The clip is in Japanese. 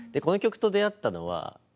この曲と出会ったのは